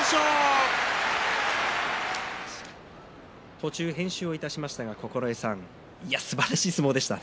途中、編集しましたが九重さんすばらしい相撲でしたね。